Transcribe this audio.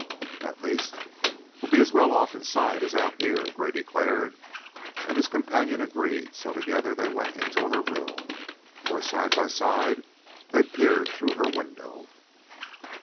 "At least we'll be as well off inside as out here," Gray declared, and his companion agreed, so together they went into her room, where, side by side, they peered through her window.